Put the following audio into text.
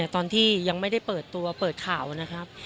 ตอนที่ยังไม่ได้เปิดตัวเปิดข่าวนะครับ